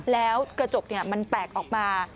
แล้วกระจกมันแตกออกมา